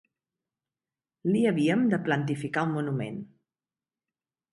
L'hi havíem de plantificar un monument.